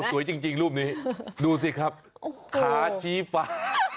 สวยจริงรูปนี้ดูสิครับขาชี้ฟ้า